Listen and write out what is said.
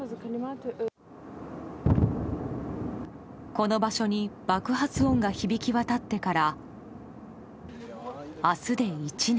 この場所に爆発音が響き渡ってから明日で１年。